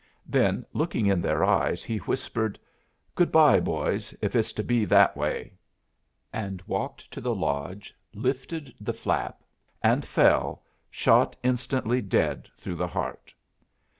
Then, looking in their eyes, he whispered, "Good bye, boys, if it's to be that way," and walked to the lodge, lifted the flap, and fell, shot instantly dead through the heart.